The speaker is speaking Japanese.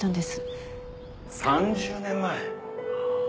３０年前？